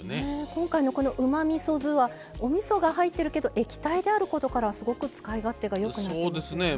今回のこのうまみそ酢はおみそが入ってるけど液体であることからすごく使い勝手がよくなるんですよね。